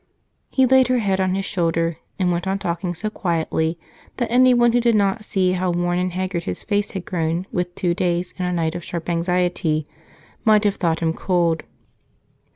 He laid her head on his shoulder and went on talking so quietly that anyone who did not see how worn and haggard his face had grown with two days and a night of sharp anxiety might have thought him cold.